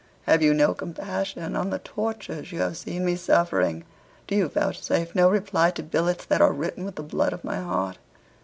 Have you no compassion on the tortures you have seen me suffering? Do you vouchsafe no reply to billets that are written with the blood of my heart.'